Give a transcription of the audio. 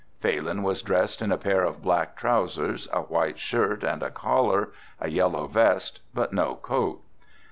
Phalin was dressed in a pair of black trousers, a white shirt and a collar, a yellow vest, but no coat.